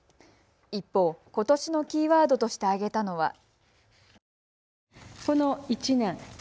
一方、ことしのキーワードとして挙げたのは。